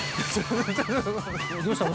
どうした？